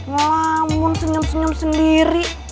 kamu senyum senyum sendiri